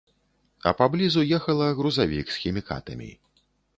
А паблізу ехала грузавік з хімікатамі.